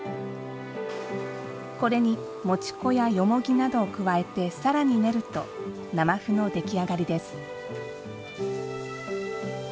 これに、もち粉やよもぎなどを加えてさらに練ると生麩の出来上がりです。